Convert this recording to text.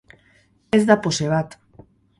Ez da pose bat.